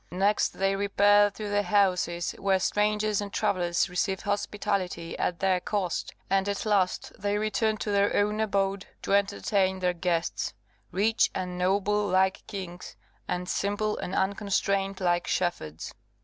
Next they repair to the houses where strangers and travellers receive hospitality at their cost; and at last they return to their own abode, to entertain their guests, rich and noble like kings, and simple and unconstrained like shepherds.